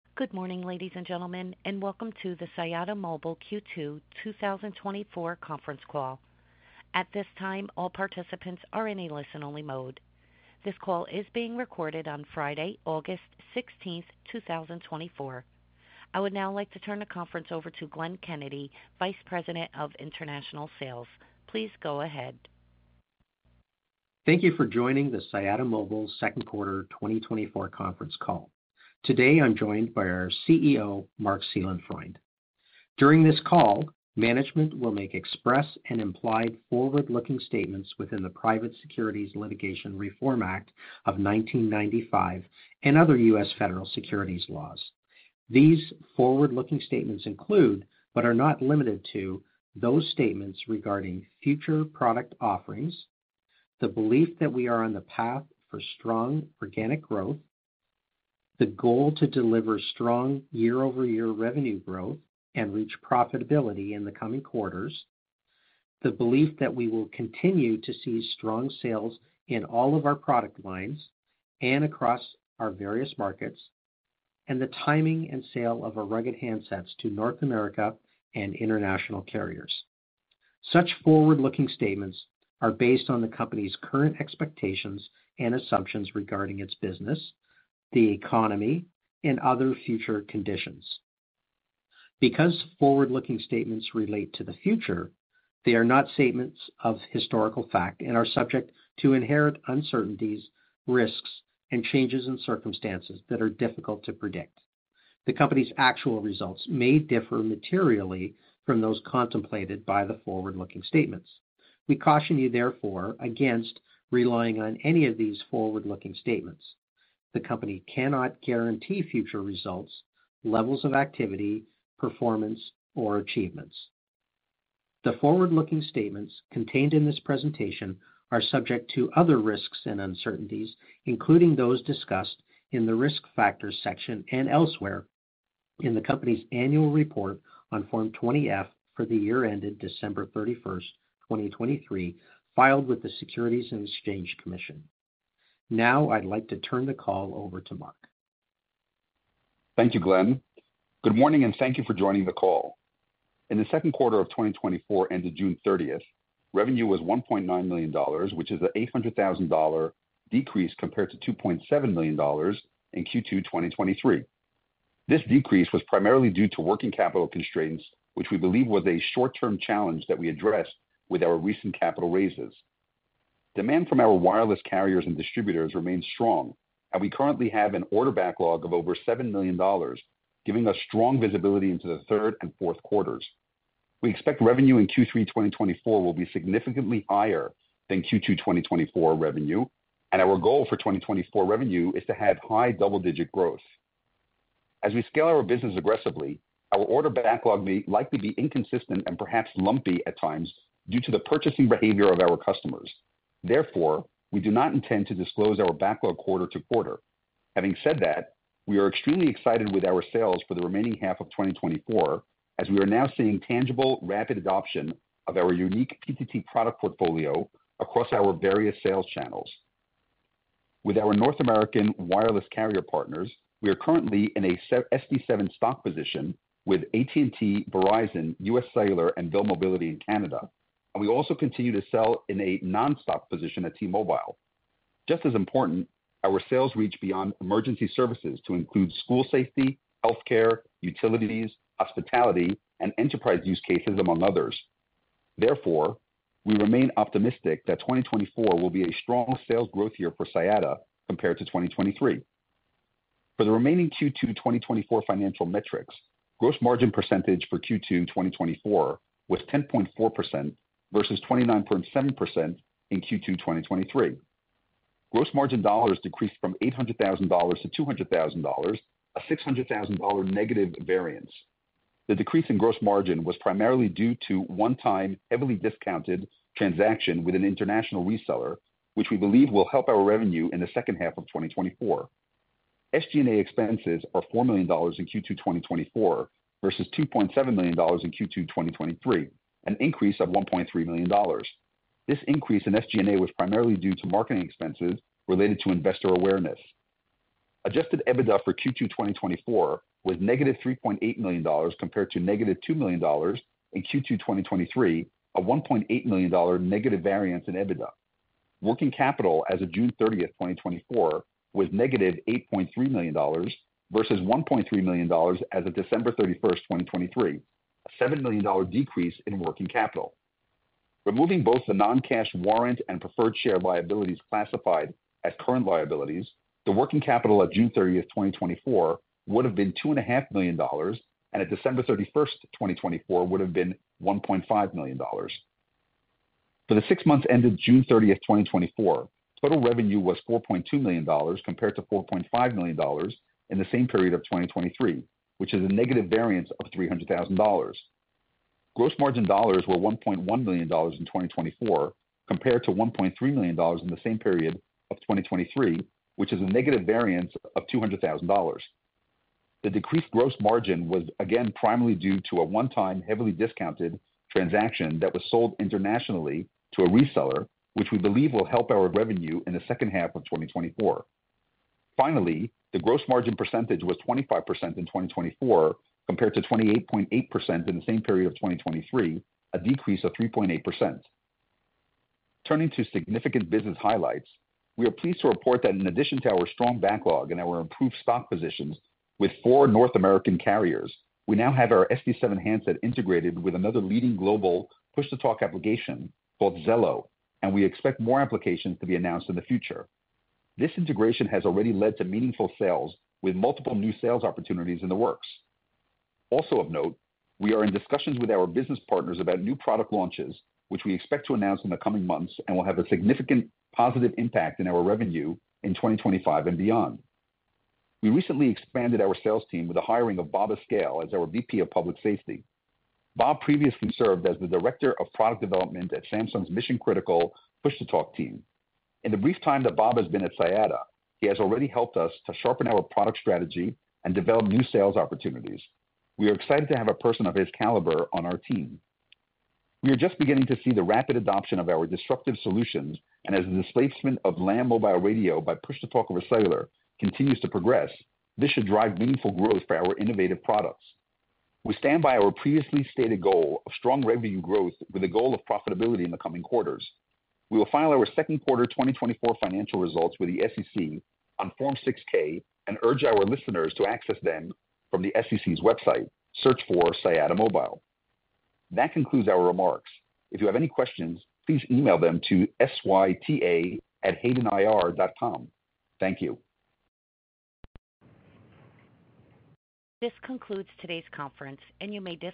Good morning, ladies and gentlemen, and welcome to the Siyata Mobile Q2 2024 Conference Call. At this time, all participants are in a listen-only mode. This call is being recorded on Friday, 16th August 2024. I would now like to turn the conference over to Glenn Kennedy, Vice President of International Sales. Please go ahead. Thank you for joining the Siyata Mobile Q2 2024 Conference Call. Today, I'm joined by our CEO, Marc Seelenfreund. During this call, management will make express and implied forward-looking statements within the Private Securities Litigation Reform Act of 1995 and other U.S. federal securities laws. These forward-looking statements include, but are not limited to, those statements regarding future product offerings, the belief that we are on the path for strong organic growth, the goal to deliver strong year-over-year revenue growth and reach profitability in the coming quarters, the belief that we will continue to see strong sales in all of our product lines and across our various markets, and the timing and sale of our rugged handsets to North America and international carriers. Such forward-looking statements are based on the company's current expectations and assumptions regarding its business, the economy, and other future conditions. Because forward-looking statements relate to the future, they are not statements of historical fact and are subject to inherent uncertainties, risks, and changes in circumstances that are difficult to predict. The company's actual results may differ materially from those contemplated by the forward-looking statements. We caution you, therefore, against relying on any of these forward-looking statements. The company cannot guarantee future results, levels of activity, performance, or achievements. The forward-looking statements contained in this presentation are subject to other risks and uncertainties, including those discussed in the Risk Factors section and elsewhere in the company's annual report on Form 20-F for the year ended December thirty-first, twenty twenty-three, filed with the Securities and Exchange Commission. Now I'd like to turn the call over to Marc. Thank you, Glenn. Good morning, and thank you for joining the call. In the Q2 of 2024 ended June 30, revenue was $1.9 million, which is an $800,000 decrease compared to $2.7 million in Q2 2023. This decrease was primarily due to working capital constraints, which we believe was a short-term challenge that we addressed with our recent capital raises. Demand from our wireless carriers and distributors remains strong, and we currently have an order backlog of over $7 million, giving us strong visibility into the Q3 and Q4. We expect revenue in Q3 2024 will be significantly higher than Q2 2024 revenue, and our goal for 2024 revenue is to have high double-digit growth. As we scale our business aggressively, our order backlog may likely be inconsistent and perhaps lumpy at times due to the purchasing behavior of our customers. Therefore, we do not intend to disclose our backlog quarter to quarter. Having said that, we are extremely excited with our sales for the remaining half of twenty twenty-four, as we are now seeing tangible, rapid adoption of our unique PTT product portfolio across our various sales channels. With our North American wireless carrier partners, we are currently in a SD7 stock position with AT&T, Verizon, US Cellular, and Bell Mobility in Canada, and we also continue to sell in a non-stock position at T-Mobile. Just as important, our sales reach beyond emergency services to include school safety, healthcare, utilities, hospitality, and enterprise use cases, among others. Therefore, we remain optimistic that 2024 will be a strong sales growth year for Siyata compared to 2023. For the remaining Q2 2024 financial metrics, gross margin percentage for Q2 2024 was 10.4% versus 29.7% in Q2 2023. Gross margin dollars decreased from $800,000 to $200,000, a $600,000 negative variance. The decrease in gross margin was primarily due to one-time, heavily discounted transaction with an international reseller, which we believe will help our revenue in the second half of 2024. SG&A expenses are $4 million in Q2 2024 versus $2.7 million in Q2 2023, an increase of $1.3 million. This increase in SG&A was primarily due to marketing expenses related to investor awareness. Adjusted EBITDA for Q2 2024 was negative $3.8 million, compared to negative $2 million in Q2 2023, a $1.8 million negative variance in EBITDA. Working capital as of June thirtieth, 2024, was negative $8.3 million, versus $1.3 million as of December thirty-first, 2023, a $7 million decrease in working capital. Removing both the non-cash warrant and preferred share liabilities classified as current liabilities, the working capital at June thirtieth, 2024, would have been $2.5 million, and at December thirty-first, 2023, would have been $1.5 million. For the six months ended June thirtieth, 2024, total revenue was $4.2 million, compared to $4.5 million in the same period of 2023, which is a negative variance of $300,000. Gross margin dollars were $1.1 million in 2024, compared to $1.3 million in the same period of 2023, which is a negative variance of $200,000. The decreased gross margin was again primarily due to a one-time, heavily discounted transaction that was sold internationally to a reseller, which we believe will help our revenue in the second half of 2024.... Finally, the gross margin percentage was 25% in 2024, compared to 28.8% in the same period of 2023, a decrease of 3.8%. Turning to significant business highlights, we are pleased to report that in addition to our strong backlog and our improved stock positions with four North American carriers, we now have our SD7 handset integrated with another leading global push-to-talk application called Zello, and we expect more applications to be announced in the future. This integration has already led to meaningful sales, with multiple new sales opportunities in the works. Also of note, we are in discussions with our business partners about new product launches, which we expect to announce in the coming months and will have a significant positive impact in our revenue in twenty twenty-five and beyond. We recently expanded our sales team with the hiring of Bob Escalle as our VP of Public Safety. Bob previously served as the Director of Product Development at Samsung's Mission Critical Push-to-Talk team. In the brief time that Bob has been at Siyata, he has already helped us to sharpen our product strategy and develop new sales opportunities. We are excited to have a person of his caliber on our team. We are just beginning to see the rapid adoption of our disruptive solutions, and as the displacement of Land Mobile Radio by Push-to-Talk over cellular continues to progress, this should drive meaningful growth for our innovative products. We stand by our previously stated goal of strong revenue growth with the goal of profitability in the coming quarters. We will file our Q2 2024 Financial Results with the SEC on Form 6-K and urge our listeners to access them from the SEC's website. Search for Siyata Mobile. That concludes our remarks. If you have any questions, please email them to siyata@haydenir.com. Thank you. This concludes today's conference, and you may disconnect.